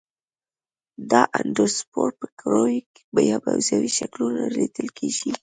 دا اندوسپور په کروي یا بیضوي شکلونو لیدل کیږي.